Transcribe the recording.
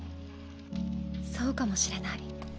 そうかもしれない。